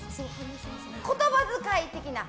言葉遣い的な。